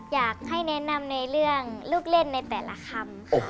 อยากให้แนะนำในเรื่องลูกเล่นในแต่ละคำค่ะ